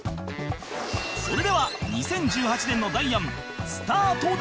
それでは２０１８年のダイアンスタートです！